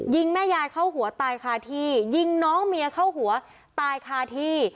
แม่ยายเข้าหัวตายคาที่ยิงน้องเมียเข้าหัวตายคาที่